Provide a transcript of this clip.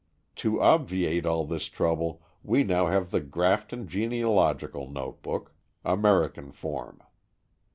To obviate all this trouble, we now have the Grafton Genealogical Notebook, American Form.